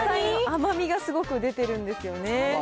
甘みがすごく出てるんですよね。